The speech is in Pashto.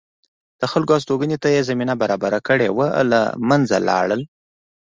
د خلکو هستوګنې ته یې زمینه برابره کړې وه له منځه لاړل